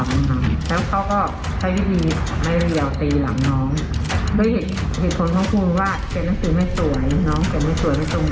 ไม่เคยใครทำง่วงแรงขนาดนี้นะครับ